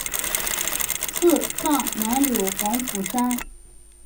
赐葬南柳黄府山。